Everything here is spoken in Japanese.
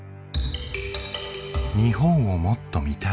日本をもっと見たい。